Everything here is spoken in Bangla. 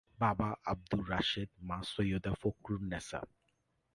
বাবা আবদুর রাশেদ, মা সৈয়দা ফখরুননেছা।